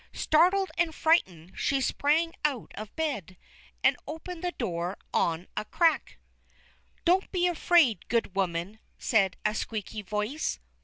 Startled and frightened she sprang out of bed, and opened the door on a crack. "Don't be afraid, good woman," said a squeaky voice.